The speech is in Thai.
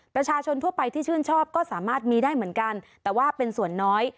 ประชาชนทั่วไปที่ชื่นชอบก็สามารถมีได้เหมือนกันแต่ว่าเป็นส่วนน้อย